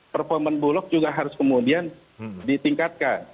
performa bulog juga harus kemudian ditingkatkan